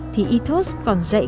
thì ethos còn dạy